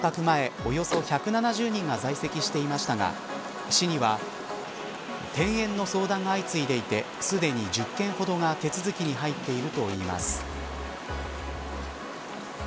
およそ１７０人が在籍していましたが市には転園の相談が相次いでいてすでに１０件ほどが手続きに入っているといいます。